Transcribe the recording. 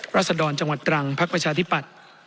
ศดรจังหวัดตรังพักประชาธิปัตย์